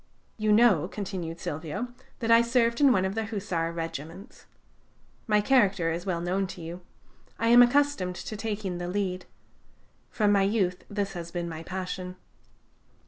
"You know," continued Silvio, "that I served in one of the Hussar regiments. My character is well known to you: I am accustomed to taking the lead. From my youth this has been my passion.